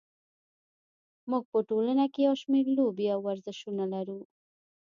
موږ په ټولنه کې یو شمېر لوبې او ورزشونه لرو.